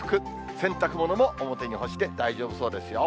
洗濯物も表に干して大丈夫そうですよ。